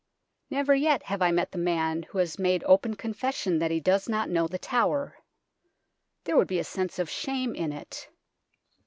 Never yet have I met the man who has made open confession that he does not know The Tower. There would be a sense of shame in it.